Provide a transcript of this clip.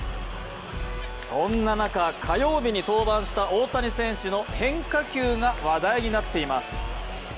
そんな中、火曜日に登板した大谷選手の変化球が話題になっています。